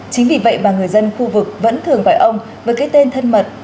chính vì vậy mà người dân khu vực vẫn thường gọi ông với cái tên thân mật